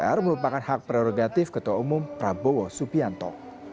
ketua umum merupakan hak prerogatif ketua umum prabowo supianto